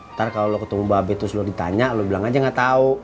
ntar kalo lo ketemu babe terus luar ditanya lo bilang aja gak tau